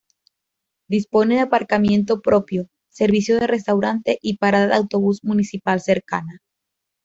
Dispone de aparcamiento propio, servicio de restaurante y parada de autobús municipal cercana.